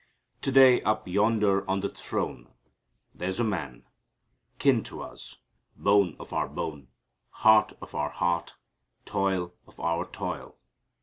" To day up yonder on the throne there's a Man kin to us, bone of our bone, heart of our heart, toil of our toil.